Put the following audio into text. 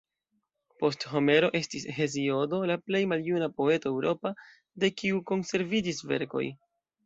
Post Homero estis Heziodo la plej maljuna poeto europa, de kiu konserviĝis verkoj.